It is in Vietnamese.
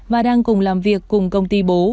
và đang cùng làm việc cùng công ty bố